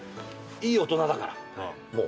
いい大人だからもう。